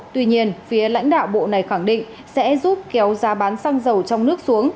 tuy nhiên phía lãnh đạo bộ này khẳng định sẽ giúp kéo giá bán xăng dầu trong nước xuống